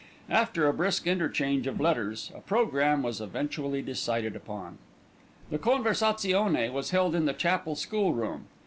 After a brisk interchange of letters, a programme was eventually decided upon. The conversazione was held in the Chapel school room.